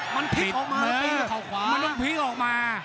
มันพลิกออกมามันต้องพลิกออกมา